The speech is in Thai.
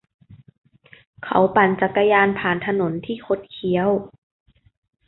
เขาปั่นจักรยานผ่านถนนที่คดเคี้ยว